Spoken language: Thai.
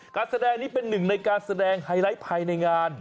การแสดงนี้เป็นหนึ่งในการแสดงไฮไลท์ภายในงาน